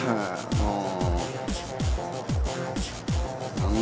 うん。